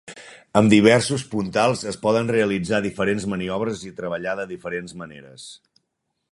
Amb diversos puntals es poden realitzar diferents maniobres i treballar de diferents maneres.